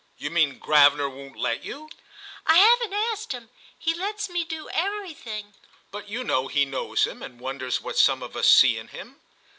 "You mean Gravener won't let you?" "I haven't asked him. He lets me do everything." "But you know he knows him and wonders what some of us see in him."